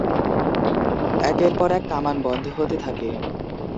একের পর এক কামান বন্ধ হতে থাকে।